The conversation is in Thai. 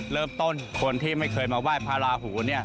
เริ่มต้นคนที่ไม่เคยมาไหว้พระราหูเนี่ย